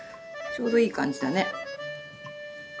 ちょうどいい感じだね。